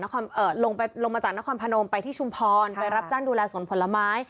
ลงไปลงมาจากนครพนมไปที่ชุมพรไปรับจ้างดูแลสวนผลไม้